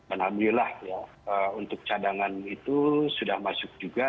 alhamdulillah ya untuk cadangan itu sudah masuk juga